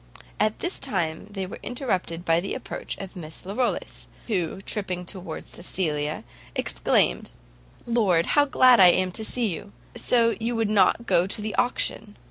At this time they were interrupted by the approach of Miss Larolles, who, tripping towards Cecilia, exclaimed, "Lord, how glad I am to see you! So you would not go to the auction!